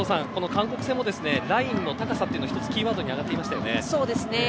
韓国戦もラインの高さをというのも１つキーワードに挙がっていましたよね。